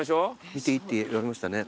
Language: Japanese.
見ていいって言われましたね。